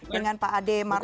dengan pak ade marfudin